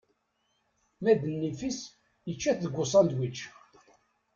Ma d nnif-is yečča-t deg usandwič.